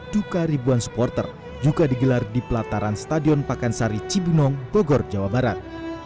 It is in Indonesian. duka ribuan supporter juga digelar di pelataran stadion pakansari cibinong bogor jawa barat